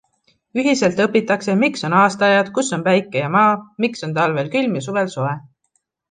Ühiselt õpitakse, miks on aastaajad, kus on päike ja maa, miks on talvel külm ja suvel soe.